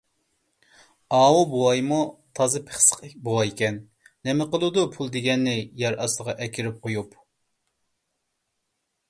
ئاۋۇ بوۋايمۇ تازا پىخسىق بوۋايكەن. نېمە قىلىدۇ پۇل دېگەننى يەر ئاستىغا ئەكىرىپ قويۇپ؟